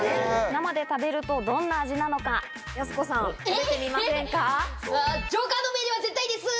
生で食べるとどんな味なのかやす子さん食べてみませんか？